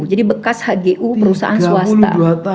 jadi bekas hgu perusahaan swasta